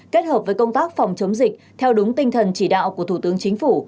kết hợp với công tác phòng chống dịch theo đúng tinh thần chỉ đạo của thủ tướng chính phủ